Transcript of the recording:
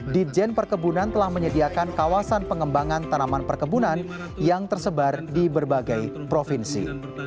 ditjen perkebunan telah menyediakan kawasan pengembangan tanaman perkebunan yang tersebar di berbagai provinsi